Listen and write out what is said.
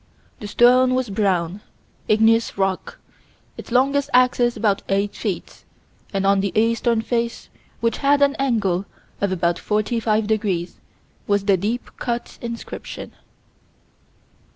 "This stone was a brown, igneous rock, its longest axis about eight feet, and on the eastern face, which had an angle of about forty five degrees, was the deep cut inscription."